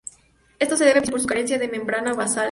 Esto se debe principalmente por su carencia de membrana basal.